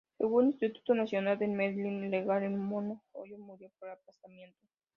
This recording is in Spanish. Según Instituto Nacional de Medicina Legal el Mono Jojoy murió por aplastamiento.